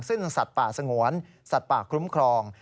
ซึ่งสัตว์ป่าสงวนสัตว์ป่าคุ้มครอง